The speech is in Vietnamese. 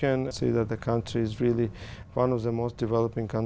anh có thể tưởng tượng